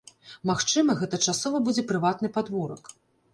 Магчыма, гэта часова будзе прыватны падворак.